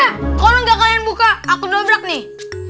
ma nidra kalau gak kalian buka aku ngebrak nih